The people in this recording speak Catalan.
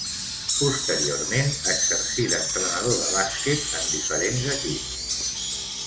Posteriorment exercí d'entrenador de bàsquet en diferents equips.